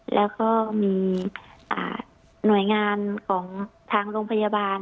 แล้วก็มีหน่วยงานของทางโรงพยาบาล